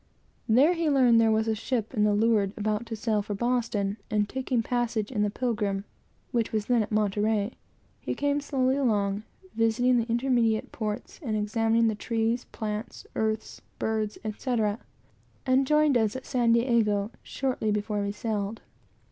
There he learned that there was a ship at the leeward, about to sail for Boston; and, taking passage in the Pilgrim, which was then at Monterey, he came slowly down, visiting the intermediate ports, and examining the trees, plants, earths, birds, etc., and joined us at San Diego shortly before we sailed.